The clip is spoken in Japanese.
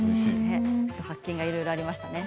発見がいろいろありましたね。